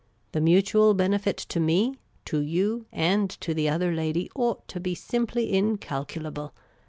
The mutual benefit to me, to you, and to the other lady, ought to be simply incalculable.